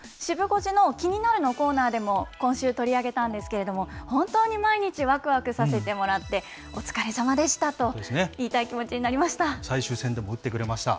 シブ５時のキニナル！のコーナーでも、今月、取り上げたんですけれども、本当に毎日、わくわくさせてもらって、お疲れさまでした最終戦でも打ってくれました。